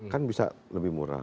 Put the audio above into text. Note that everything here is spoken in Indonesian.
kan bisa lebih murah